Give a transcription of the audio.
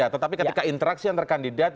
tetapi ketika interaksi antar kandidat